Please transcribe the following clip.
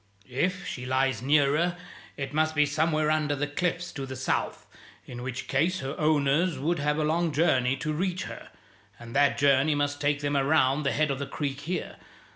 If she lies nearer, it must be somewhere under the cliffs to the south, in which case her owners would have a long journey to reach her, and that journey must take them around the head of the creek here.